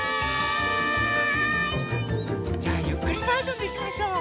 じゃあゆっくりバージョンでいきましょう。